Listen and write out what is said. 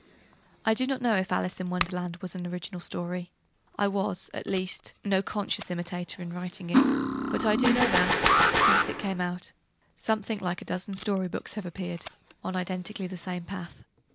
I do not know if 'Alice in Wonderland' was an original story I was, at least, no conscious imitator in writing it but I do know that, since it came out, something like a dozen story books have appeared, on identically the same pattern.